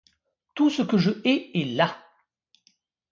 Tout ce que je hais est là !